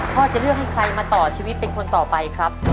จะเลือกให้ใครมาต่อชีวิตเป็นคนต่อไปครับ